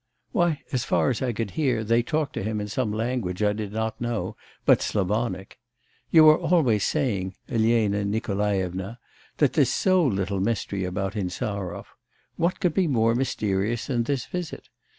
'Why as far as I could hear, they talked to him in some language I did not know, but Slavonic... You are always saying, Elena Nikolaevna, that there's so little mystery about Insarov; what could be more mysterious than this visit?